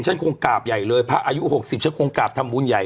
ฉันคงกราบใหญ่เลยพระอายุ๖๐ฉันคงกราบทำบุญใหญ่